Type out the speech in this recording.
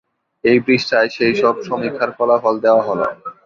এই পৃষ্ঠায় সেই সব সমীক্ষার ফলাফল দেওয়া হল।